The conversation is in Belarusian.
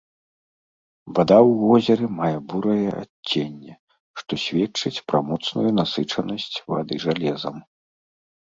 Вада ў возеры мае бурае адценне, што сведчыць пра моцную насычанасць вады жалезам.